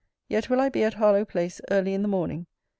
Yet will I be at Harlowe place early in the morning.